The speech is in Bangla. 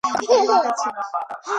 তিনি বাইরে গেছেন।